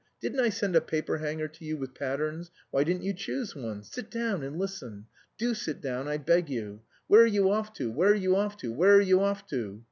Didn't I send a paperhanger to you with patterns? Why didn't you choose one? Sit down, and listen. Do sit down, I beg you. Where are you off to? Where are you off to? Where are you off to?"